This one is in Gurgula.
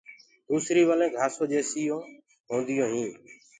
دوسري ولينٚ گھاسو جيسونٚ هونديو هينٚ۔